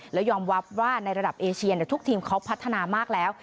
แล้วยอมรับว่าในระดับเอเชียทุกทีมเขาพัฒนามากแล้ว